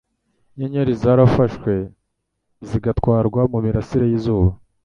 Inyenyeri zarafashwe zigatwarwa mumirasire yizuba?